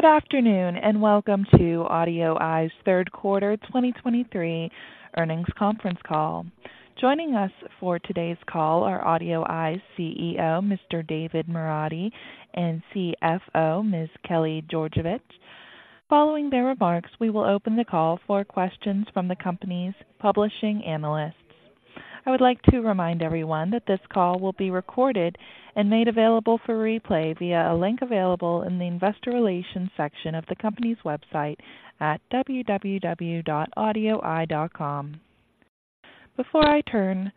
Good afternoon, and welcome to AudioEye's Third Quarter 2023 Earnings Conference Call. Joining us for today's call are AudioEye's CEO, Mr. David Moradi, and CFO, Ms. Kelly Georgevich. Following their remarks, we will open the call for questions from the company's participating analysts. I would like to remind everyone that this call will be recorded and made available for replay via a link available in the Investor Relations section of the company's website at www.audioeye.com. Before I turn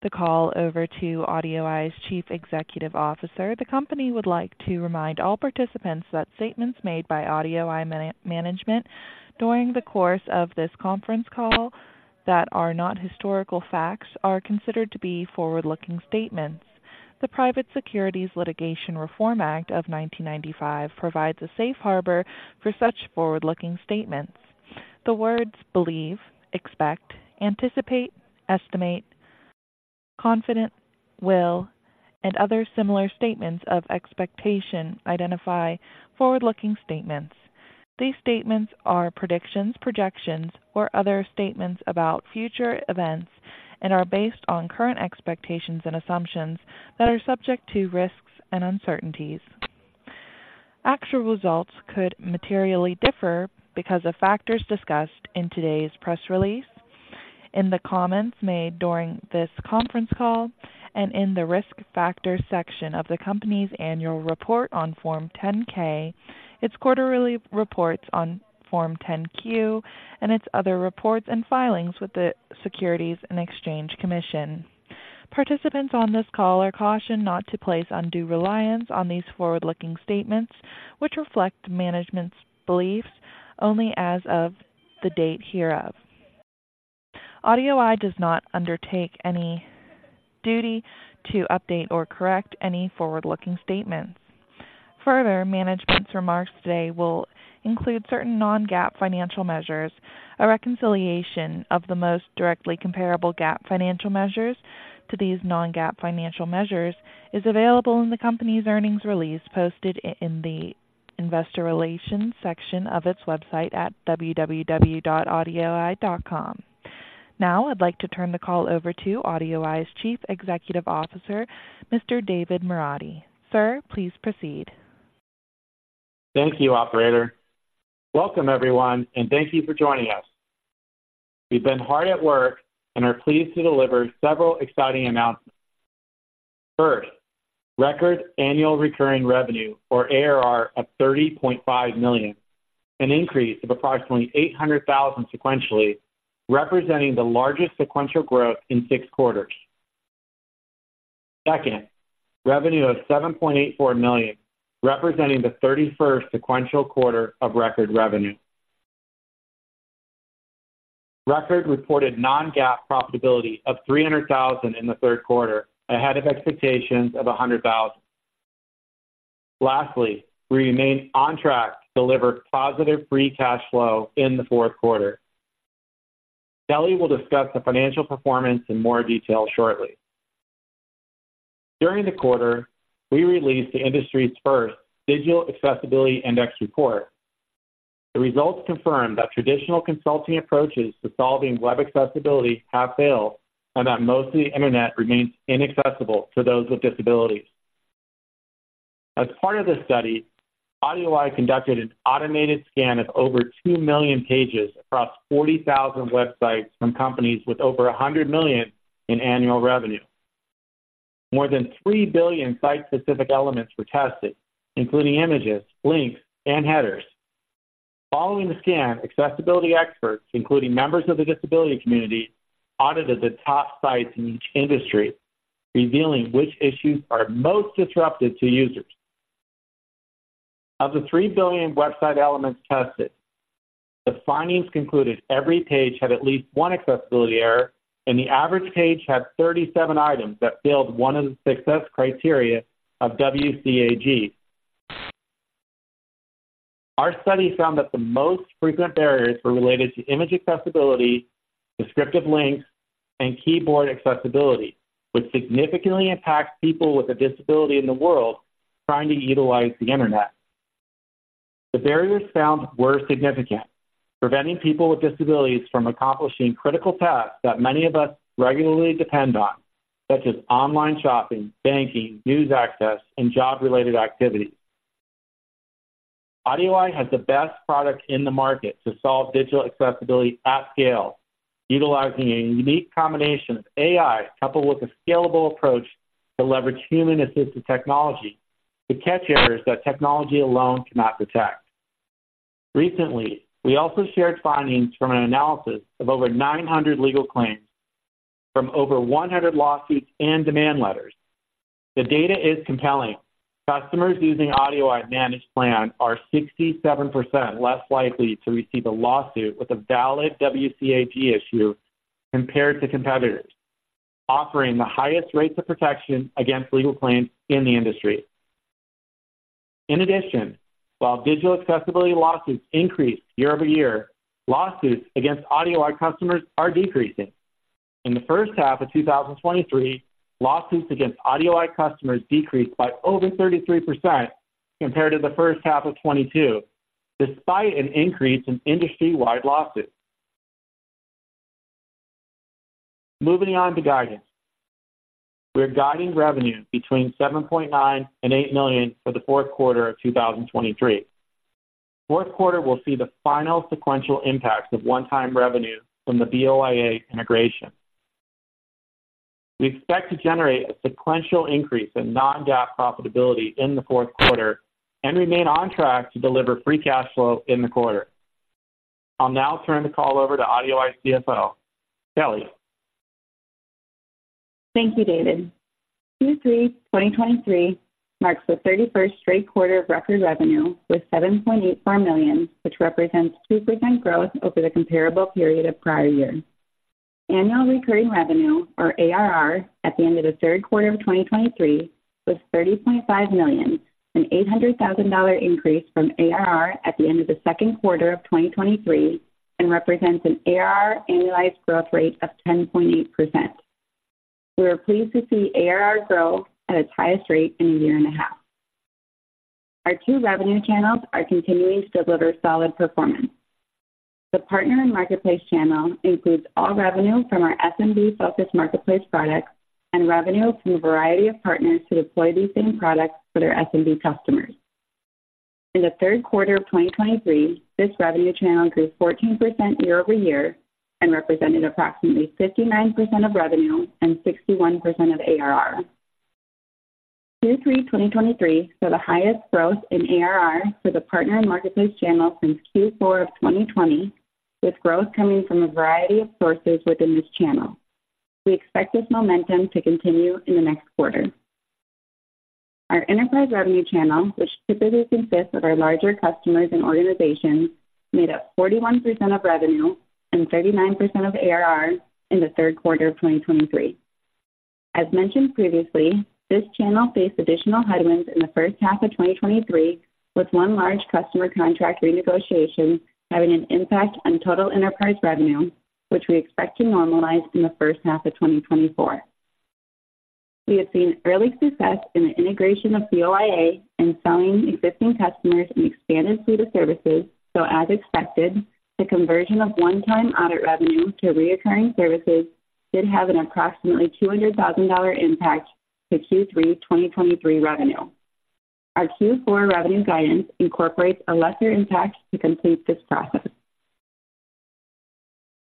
the call over to AudioEye's Chief Executive Officer, the company would like to remind all participants that statements made by AudioEye management during the course of this conference call that are not historical facts are considered to be forward-looking statements. The Private Securities Litigation Reform Act of 1995 provides a safe harbor for such forward-looking statements. The words believe, expect, anticipate, estimate, confident, will, and other similar statements of expectation identify forward-looking statements. These statements are predictions, projections, or other statements about future events and are based on current expectations and assumptions that are subject to risks and uncertainties. Actual results could materially differ because of factors discussed in today's press release, in the comments made during this conference call, and in the Risk Factors section of the company's annual report on Form 10-K, its quarterly reports on Form 10-Q, and its other reports and filings with the Securities and Exchange Commission. Participants on this call are cautioned not to place undue reliance on these forward-looking statements, which reflect management's beliefs only as of the date hereof. AudioEye does not undertake any duty to update or correct any forward-looking statements. Further, management's remarks today will include certain non-GAAP financial measures. A reconciliation of the most directly comparable GAAP financial measures to these non-GAAP financial measures is available in the company's earnings release, posted in the Investor Relations section of its website at www.audioeye.com. Now, I'd like to turn the call over to AudioEye's Chief Executive Officer, Mr. David Moradi. Sir, please proceed. Thank you, operator. Welcome, everyone, and thank you for joining us. We've been hard at work and are pleased to deliver several exciting announcements. First, record annual recurring revenue, or ARR, of $30.5 million, an increase of approximately $800,000 sequentially, representing the largest sequential growth in six quarters. Second, revenue of $7.84 million, representing the 31st sequential quarter of record revenue. Record reported non-GAAP profitability of $300,000 in the third quarter, ahead of expectations of $100,000. Lastly, we remain on track to deliver positive free cash flow in the fourth quarter. Kelly will discuss the financial performance in more detail shortly. During the quarter, we released the industry's first Digital Accessibility Index report. The results confirm that traditional consulting approaches to solving web accessibility have failed and that most of the internet remains inaccessible to those with disabilities. As part of this study, AudioEye conducted an automated scan of over 2 million pages across 40,000 websites from companies with over $100 million in annual revenue. More than 3 billion site-specific elements were tested, including images, links, and headers. Following the scan, accessibility experts, including members of the disability community, audited the top sites in each industry, revealing which issues are most disruptive to users. Of the 3 billion website elements tested, the findings concluded every page had at least one accessibility error, and the average page had 37 items that failed one of the success criteria of WCAG. Our study found that the most frequent barriers were related to image accessibility, descriptive links, and keyboard accessibility, which significantly impacts people with a disability in the world trying to utilize the internet. The barriers found were significant, preventing people with disabilities from accomplishing critical tasks that many of us regularly depend on, such as online shopping, banking, news access, and job-related activities. AudioEye has the best product in the market to solve digital accessibility at scale, utilizing a unique combination of AI coupled with a scalable approach to leverage human-assisted technology to catch errors that technology alone cannot detect. Recently, we also shared findings from an analysis of over 900 legal claims from over 100 lawsuits and demand letters. The data is compelling. Customers using AudioEye Managed Plan are 67% less likely to receive a lawsuit with a valid WCAG issue compared to competitors, offering the highest rates of protection against legal claims in the industry. In addition, while digital accessibility lawsuits increase year-over-year, lawsuits against AudioEye customers are decreasing. In the first half of 2023, lawsuits against AudioEye customers decreased by over 33% compared to the first half of 2022, despite an increase in industry-wide lawsuits. Moving on to guidance. We're guiding revenue between $7.9 million-$8 million for the fourth quarter of 2023. Fourth quarter will see the final sequential impact of one-time revenue from the BOIA integration. We expect to generate a sequential increase in non-GAAP profitability in the fourth quarter and remain on track to deliver free cash flow in the quarter. I'll now turn the call over to AudioEye's CFO, Kelly. Thank you, David. Q3 2023 marks the 31st straight quarter of record revenue with $7.84 million, which represents 2% growth over the comparable period of prior year. Annual recurring revenue, or ARR, at the end of the third quarter of 2023 was $30.5 million, an $800,000 increase from ARR at the end of the second quarter of 2023, and represents an ARR annualized growth rate of 10.8%. We are pleased to see ARR grow at its highest rate in a year and a half. Our two revenue channels are continuing to deliver solid performance. The partner and marketplace channel includes all revenue from our SMB-focused marketplace products and revenue from a variety of partners who deploy these same products for their SMB customers. In the third quarter of 2023, this revenue channel grew 14% year-over-year and represented approximately 59% of revenue and 61% of ARR. Q3 2023 saw the highest growth in ARR for the partner and marketplace channel since Q4 of 2020, with growth coming from a variety of sources within this channel. We expect this momentum to continue in the next quarter. Our enterprise revenue channel, which typically consists of our larger customers and organizations, made up 41% of revenue and 39% of ARR in the third quarter of 2023. As mentioned previously, this channel faced additional headwinds in the first half of 2023, with one large customer contract renegotiation having an impact on total enterprise revenue, which we expect to normalize in the first half of 2024. We have seen early success in the integration of BOIA and selling existing customers an expanded suite of services. So as expected, the conversion of one-time audit revenue to recurring services did have an approximately $200,000 impact to Q3 2023 revenue. Our Q4 revenue guidance incorporates a lesser impact to complete this process.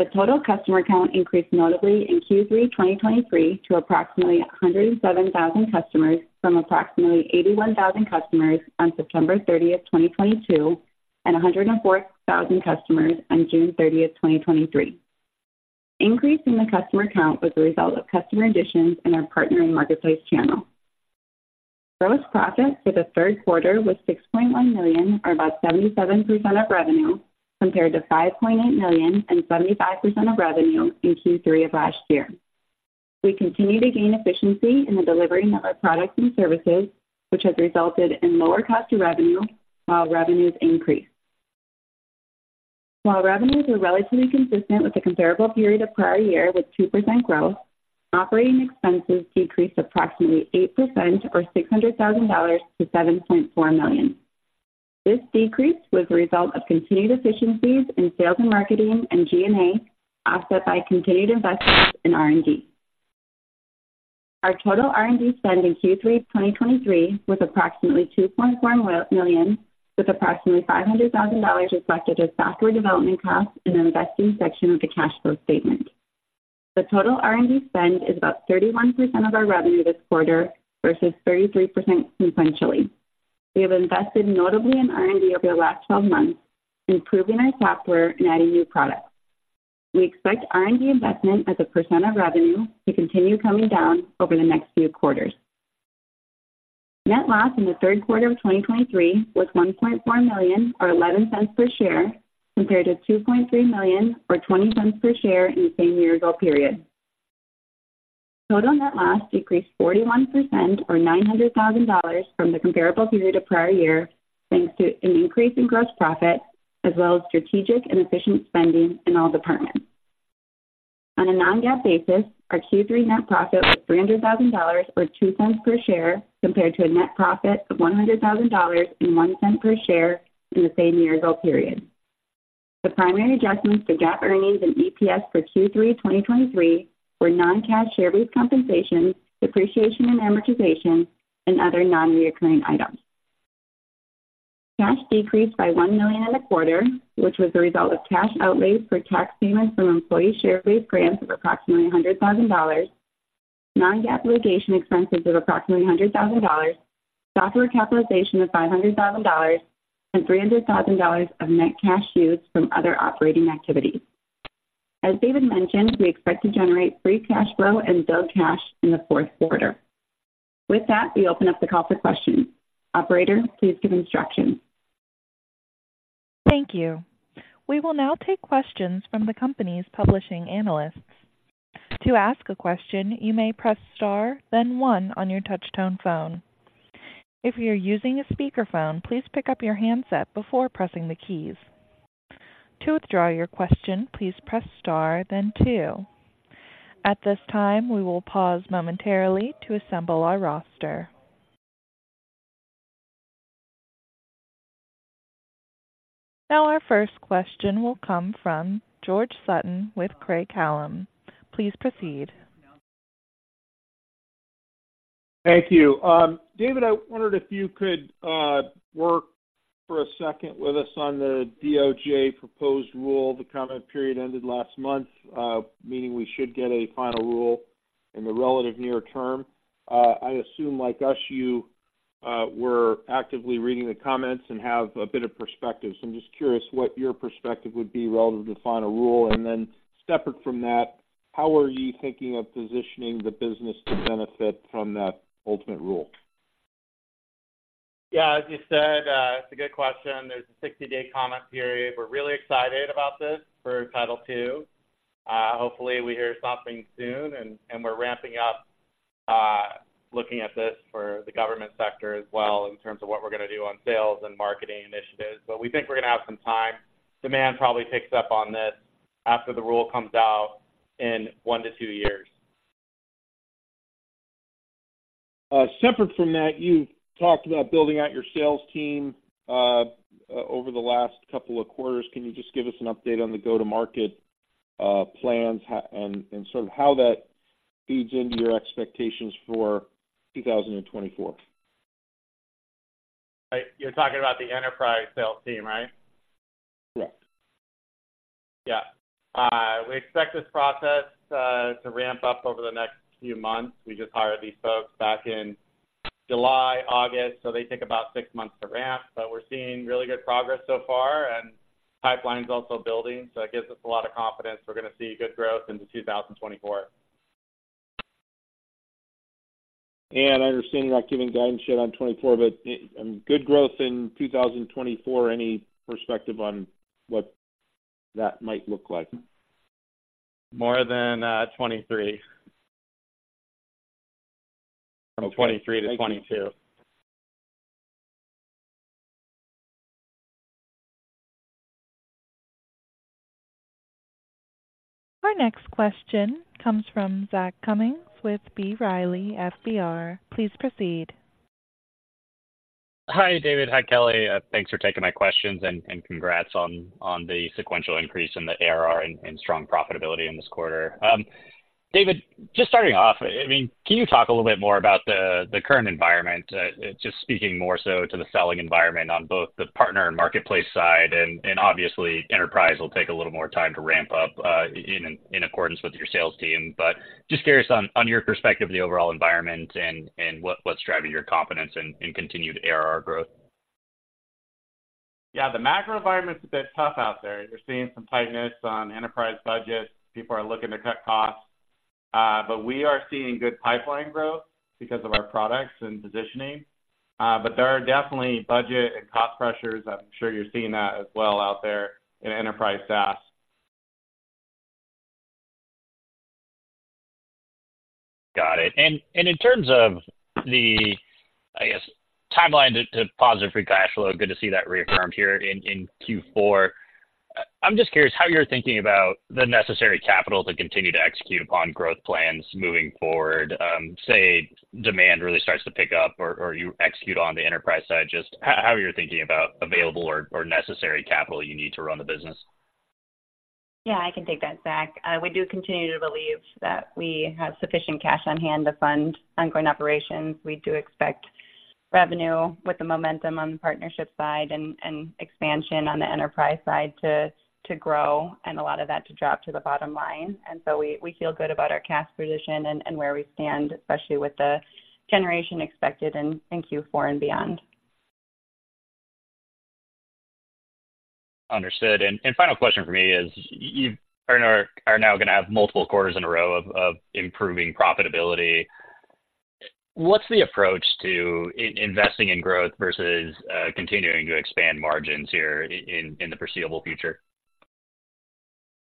The total customer count increased notably in Q3 2023, to approximately 107,000 customers from approximately 81,000 customers on September 30th, 2022, and 104,000 customers on June 30th, 2023. Increase in the customer count was a result of customer additions in our partner and marketplace channel. Gross profit for the third quarter was $6.1 million, or about 77% of revenue, compared to $5.8 million and 75% of revenue in Q3 of last year. We continue to gain efficiency in the delivery of our products and services, which has resulted in lower cost of revenue while revenues increase. While revenues were relatively consistent with the comparable period of prior year with 2% growth, operating expenses decreased approximately 8%, or $600,000 to $7.4 million. This decrease was a result of continued efficiencies in sales and marketing and G&A, offset by continued investments in R&D. Our total R&D spend in Q3 2023 was approximately $2.4 million, with approximately $500,000 reflected as software development costs in the investing section of the cash flow statement. The total R&D spend is about 31% of our revenue this quarter, versus 33% sequentially. We have invested notably in R&D over the last 12 months, improving our software and adding new products. We expect R&D investment as a percent of revenue to continue coming down over the next few quarters. Net loss in the third quarter of 2023 was $1.4 million, or $0.11 per share, compared to $2.3 million, or $0.20 per share in the same year-ago period. Total net loss decreased 41%, or $900 thousand from the comparable period of prior year, thanks to an increase in gross profit as well as strategic and efficient spending in all departments. On a non-GAAP basis, our Q3 net profit was $300 thousand, or $0.02 per share, compared to a net profit of $100 thousand and $0.01 per share in the same year-ago period. The primary adjustments to GAAP earnings and EPS for Q3 2023 were non-cash share-based compensation, depreciation and amortization, and other non-recurring items. Cash decreased by $1 million in the quarter, which was the result of cash outlays for tax payments from employee share-based grants of approximately $100,000, non-GAAP litigation expenses of approximately $100,000, software capitalization of $500,000, and $300,000 of net cash used from other operating activities. As David mentioned, we expect to generate free cash flow and build cash in the fourth quarter. With that, we open up the call for questions. Operator, please give instructions. Thank you. We will now take questions from the company's publishing analysts. To ask a question, you may press star then one on your touchtone phone. If you're using a speakerphone, please pick up your handset before pressing the keys. To withdraw your question, please press star, then two. At this time, we will pause momentarily to assemble our roster. Now our first question will come from George Sutton with Craig-Hallum. Please proceed. Thank you. David, I wondered if you could work for a second with us on the DOJ proposed rule. The comment period ended last month, meaning we should get a final rule in the relative near term. I assume, like us, you were actively reading the comments and have a bit of perspective. So I'm just curious what your perspective would be relative to the final rule. And then separate from that, how are you thinking of positioning the business to benefit from that ultimate rule? Yeah, as you said, it's a good question. There's a 60-day comment period. We're really excited about this for Title II. Hopefully, we hear something soon, and, and we're ramping up, looking at this for the government sector as well in terms of what we're going to do on sales and marketing initiatives, but we think we're gonna have some time. Demand probably picks up on this after the rule comes out in one to two years. Separate from that, you've talked about building out your sales team over the last couple of quarters. Can you just give us an update on the go-to-market plans and sort of how that feeds into your expectations for 2024? You're talking about the enterprise sales team, right? Yes. Yeah. We expect this process to ramp up over the next few months. We just hired these folks back in July, August, so they take about six months to ramp, but we're seeing really good progress so far, and pipeline is also building, so it gives us a lot of confidence we're gonna see good growth into 2024. I understand you're not giving guidance yet on 2024, but good growth in 2024, any perspective on what that might look like? More than 23. Okay. From 2023 to 2022. Our next question comes from Zach Cummins with B Riley FBR. Please proceed. Hi, David. Hi, Kelly. Thanks for taking my questions, and congrats on the sequential increase in the ARR and strong profitability in this quarter. David, just starting off, I mean, can you talk a little bit more about the current environment, just speaking more so to the selling environment on both the partner and marketplace side, and obviously, enterprise will take a little more time to ramp up, in accordance with your sales team. But just curious on your perspective of the overall environment and what’s driving your confidence and continued ARR growth. Yeah, the macro environment is a bit tough out there. We're seeing some tightness on enterprise budgets. People are looking to cut costs, but we are seeing good pipeline growth because of our products and positioning. But there are definitely budget and cost pressures. I'm sure you're seeing that as well out there in enterprise SaaS. Got it. And in terms of the, I guess, timeline to positive free cash flow, good to see that reaffirmed here in Q4. I'm just curious how you're thinking about the necessary capital to continue to execute upon growth plans moving forward. Say demand really starts to pick up or you execute on the enterprise side, just how you're thinking about available or necessary capital you need to run the business? Yeah, I can take that, Zach. We do continue to believe that we have sufficient cash on hand to fund ongoing operations. We do expect revenue with the momentum on the partnership side and expansion on the enterprise side to grow, and a lot of that to drop to the bottom line. And so we feel good about our cash position and where we stand, especially with the generation expected in Q4 and beyond. Understood. And final question for me is, you are now gonna have multiple quarters in a row of improving profitability. What's the approach to investing in growth versus continuing to expand margins here in the foreseeable future?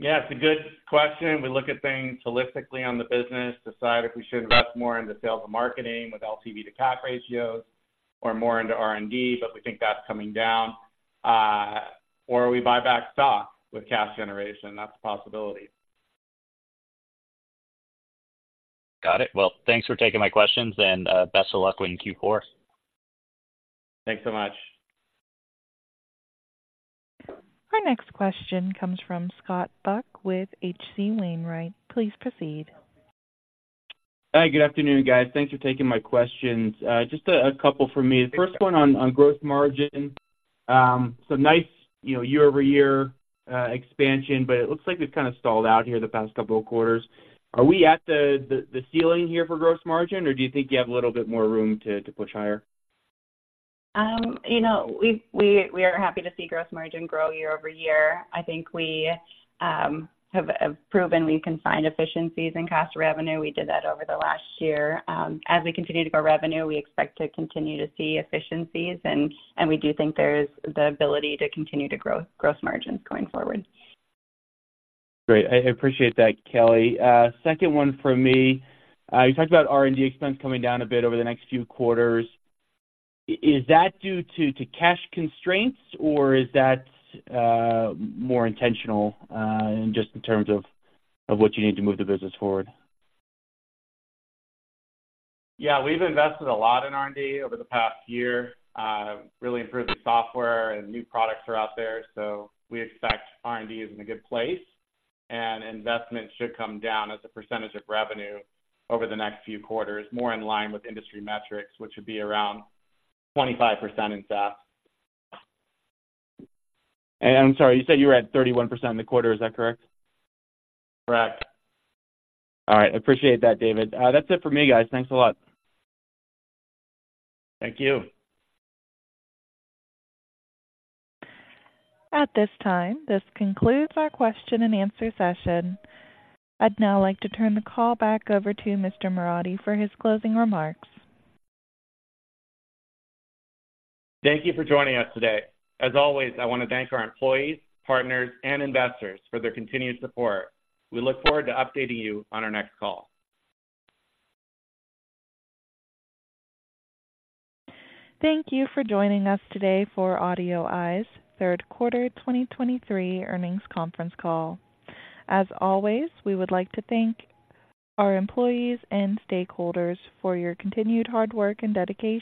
Yeah, it's a good question. We look at things holistically on the business, decide if we should invest more in the sales and marketing with LTV to CAC ratios or more into R&D, but we think that's coming down. Or we buy back stock with cash generation. That's a possibility. Got it. Well, thanks for taking my questions, and best of luck in Q4. Thanks so much. Our next question comes from Scott Buck with HC Wainwright. Please proceed. Hi, good afternoon, guys. Thanks for taking my questions. Just a couple from me. The first one on gross margin. So nice, you know, year-over-year expansion, but it looks like we've kind of stalled out here the past couple of quarters. Are we at the ceiling here for gross margin, or do you think you have a little bit more room to push higher? You know, we are happy to see gross margin grow year-over-year. I think we have proven we can find efficiencies in cost of revenue. We did that over the last year. As we continue to grow revenue, we expect to continue to see efficiencies, and we do think there's the ability to continue to grow gross margins going forward. Great. I appreciate that, Kelly. Second one from me. You talked about R&D expense coming down a bit over the next few quarters. Is that due to cash constraints, or is that more intentional, just in terms of what you need to move the business forward? Yeah, we've invested a lot in R&D over the past year. Really improved the software and new products are out there, so we expect R&D is in a good place, and investment should come down as a percentage of revenue over the next few quarters, more in line with industry metrics, which would be around 25% in SaaS. I'm sorry, you said you were at 31% in the quarter. Is that correct? Correct. All right. I appreciate that, David. That's it for me, guys. Thanks a lot. Thank you. At this time, this concludes our question and answer session. I'd now like to turn the call back over to Mr. Moradi for his closing remarks. Thank you for joining us today. As always, I want to thank our employees, partners, and investors for their continued support. We look forward to updating you on our next call. Thank you for joining us today for AudioEye's Third Quarter 2023 Earnings Conference Call. As always, we would like to thank our employees and stakeholders for your continued hard work and dedication.